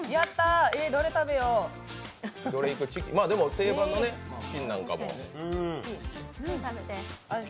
定番のチキンなんかも。